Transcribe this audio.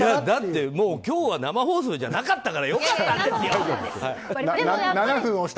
だって、今日は生放送じゃなかったから良かったんですよ。